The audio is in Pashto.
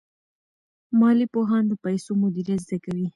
مالي پوهان د پیسو مدیریت زده کوي.